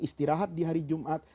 istirahat di hari jumat